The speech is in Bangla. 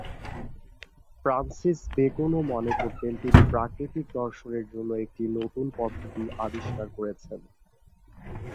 ফ্রান্সিস বেকন ও মনে করতেন তিনি প্রাকৃতিক দর্শনের জন্য একটি নতুন পদ্ধতি আবিষ্কার করেছেন।